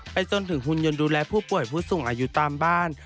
จนถึงหุ่นยนต์ดูแลผู้ป่วยผู้สูงอายุตามบ้าน